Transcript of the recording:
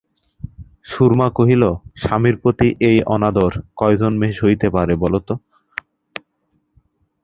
সুরমা কহিল, স্বামীর প্রতি এ অনাদর কয়জন মেয়ে সহিতে পারে বলো তো?